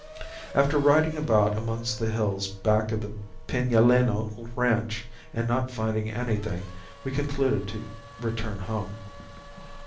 After riding about among the hills back of the Pinaleno ranch and not finding anything we concluded to return home.